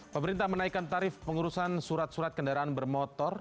pemerintah menaikkan tarif pengurusan surat surat kendaraan bermotor